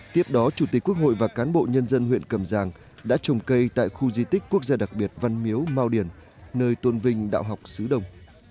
tiếp đó chủ tịch quốc hội và cán bộ nhân dân huyện cầm giang đã trồng cây tại khu di tích quốc gia đặc biệt văn miếu mau điển nơi tôn vinh đạo học sứ đông